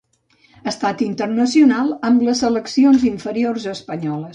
Ha estat internacional amb les seleccions inferiors espanyoles.